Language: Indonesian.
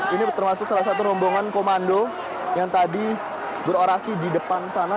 ini termasuk salah satu rombongan komando yang tadi berorasi di depan sana